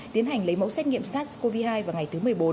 tiến hành lấy mẫu xét nghiệm sars cov hai vào ngày thứ một mươi bốn